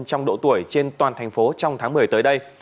trong độ tuổi trên toàn thành phố trong tháng một mươi tới đây